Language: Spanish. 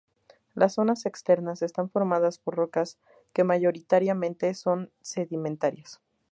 Las Zonas Externas están formadas por rocas que mayoritariamente son sedimentarias.